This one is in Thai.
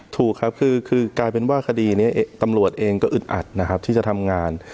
ถูกครับคือกลายเป็นว่าทำรวจเองก็อึดอัดที่จะทำงาน